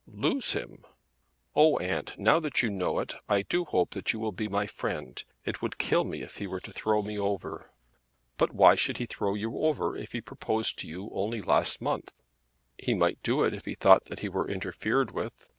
"Lose him!" "Oh, aunt, now that you know it I do hope that you will be my friend. It would kill me if he were to throw me over." "But why should he throw you over if he proposed to you only last month?" "He might do it if he thought that he were interfered with.